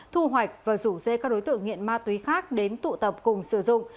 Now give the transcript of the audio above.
thu hoạch và rủ dê các đối tượng nghiện ma túy khác đến tụ tập cùng sử dụng